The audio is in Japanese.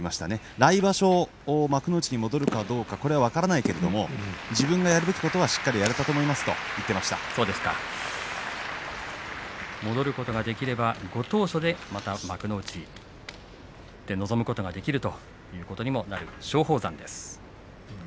来場所、幕内に戻るかどうかこれは分からないけれども自分のやるべきことはしっかりやろうと思いますと戻ることができればご当所で、また幕内で臨むことができるということにもなる松鳳山です。